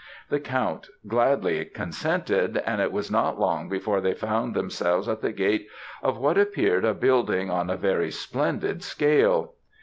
The count gladly consented, and it was not long before they found themselves at the gate of what appeared a building on a very splendid scale.